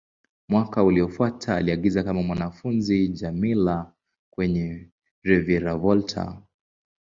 Mwaka uliofuata, aliigiza kama mwanafunzi Djamila kwenye "Reviravolta".